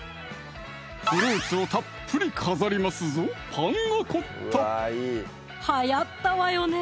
フルーツをたっぷり飾りますぞはやったわよね